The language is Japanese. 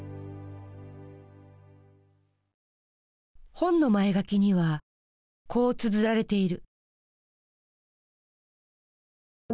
本の「まえがき」にはこうつづられている。